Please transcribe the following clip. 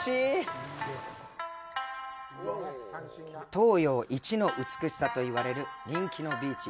東洋一の美しさといわれる人気のビーチ。